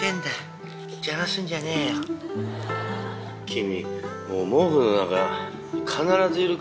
君。